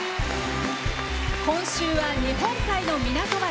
今週は日本海の港町。